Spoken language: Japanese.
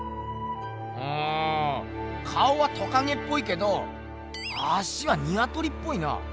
うん顔はトカゲっぽいけど足はニワトリっぽいな。